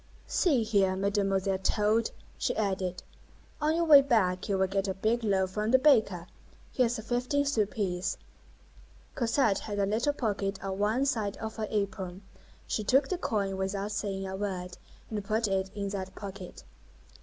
"See here, Mam'selle Toad," she added, "on your way back, you will get a big loaf from the baker. Here's a fifteen sou piece." Cosette had a little pocket on one side of her apron; she took the coin without saying a word, and put it in that pocket.